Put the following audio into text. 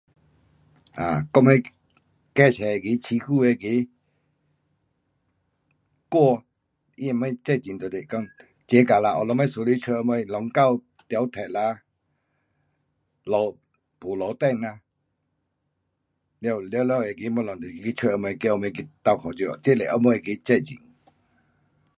啊，我们街市那个，市区那个，官，他什么责任就是讲 jaga 啦有什么事就去找什么，龙沟得塞啦，路没路灯啊，完，完了那个东西就是去找他们叫他们去倒脚手，这是他们那个责任。